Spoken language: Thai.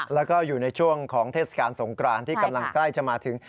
แล้วก็อยู่ในช่วงของเทศกาลสงกรานที่กำลังใกล้จะมาถึง